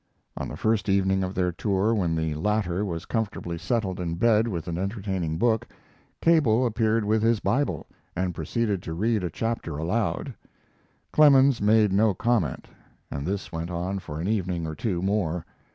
On the first evening of their tour, when the latter was comfortably settled in bed with an entertaining book, Cable appeared with his Bible, and proceeded to read a chapter aloud. Clemens made no comment, and this went on for an evening or two more.